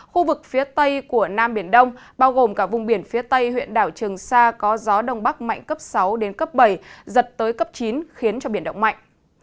khu vực phía tây của nam biển đông bao gồm cả vùng biển phía tây huyện đảo trường sa có gió đông bắc mạnh cấp sáu đến cấp bảy giật tới cấp chín khiến cho biển động mạnh